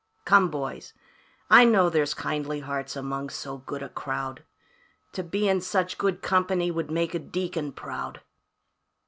"Come, boys, I know there's kindly hearts among so good a crowd To be in such good company would make a deacon proud.